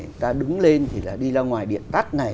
người ta đứng lên thì là đi ra ngoài điện tắt này